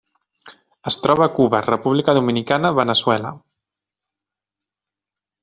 Es troba a Cuba, República Dominicana, Veneçuela.